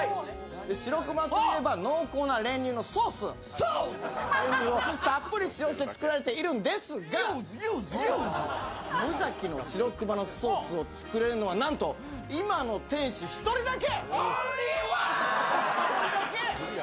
白熊といえば濃厚な練乳のソースを練乳をたっぷり使用して作られているんですが、むじゃきの白熊のソースを作れるのはなんと今の店主１人だけ！